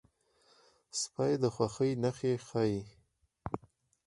سپي د خوښۍ نښې ښيي.